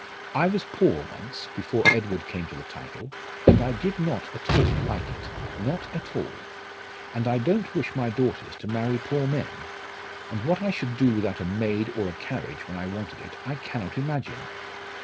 I was poor once, before Edward came to the title, and I did not at all like it not at all. And I don't wish my daughters to marry poor men; and what I should do without a maid or a carriage when I wanted it, I cannot imagine.